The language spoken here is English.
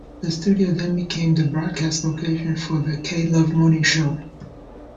The studio then became the broadcast location for the "K-Love Morning Show".